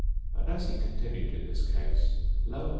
And as he continued in this case lo!